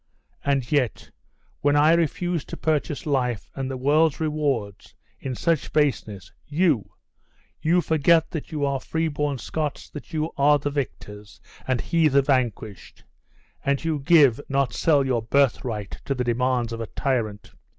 And yet, when I refuse to purchase life and the world's rewards in such baseness, you you forget that you are free born Scots, that you are the victors, and he the vanquished; and you give, not sell, your birthright to the demands of a tyrant!